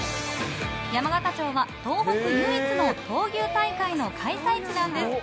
山形町は東北唯一の闘牛大会の開催地なんです。